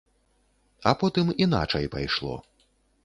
А потым іначай пайшло.